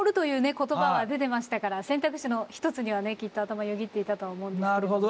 言葉は出てましたから選択肢の一つにはねきっと頭よぎっていたとは思うんですけれども。